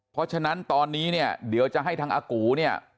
เพราะฉะนั้นตอนนี้เนี่ยเดี๋ยวจะให้ทางอากูเนี่ย